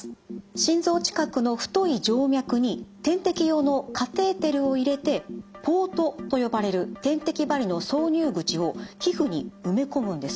心臓近くの太い静脈に点滴用のカテーテルを入れてポートと呼ばれる点滴針の挿入口を皮膚に埋め込むんです。